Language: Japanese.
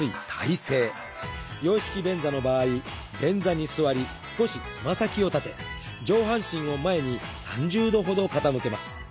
洋式便座の場合便座に座り少しつま先を立て上半身を前に３０度ほど傾けます。